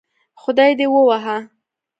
خدای دې ووهه